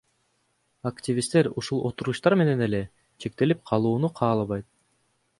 Активисттер ушул отургучтар менен эле чектелип калууну каалабайт.